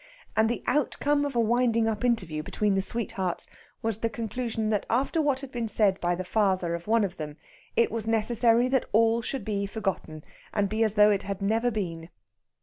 And the outcome of a winding up interview between the sweethearts was the conclusion that after what had been said by the father of one of them, it was necessary that all should be forgotten, and be as though it had never been.